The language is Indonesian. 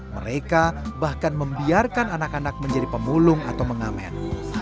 mereka bahkan membiarkan anak anak menjadi pemulung atau mengamen